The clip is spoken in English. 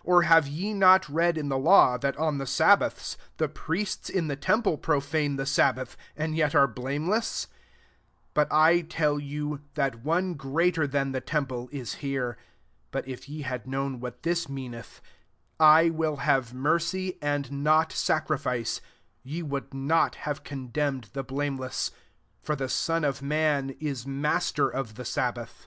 5 Or have ye not read in the law, that on the sabbaths the priests in the temple profane the sab bath, and yet are blameless ? 6 But I tell you, that one greater than the temple is here. 7 But if ye had known what this mean eth, * I will have mercy and not sacrifice,* ye would not have condemned the blameless. 8 For the Son of man is master of the sabbath.